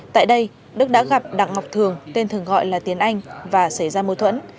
tại đây đức đã gặp đặng ngọc thường tên thường gọi là tiến anh và xảy ra mô thuẫn